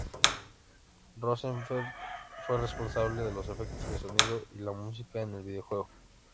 Rosenfeld fue responsable de los efectos de sonido y la música en el videojuego.